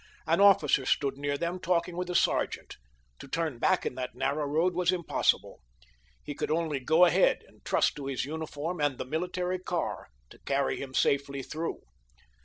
An officer stood near them talking with a sergeant. To turn back in that narrow road was impossible. He could only go ahead and trust to his uniform and the military car to carry him safely through.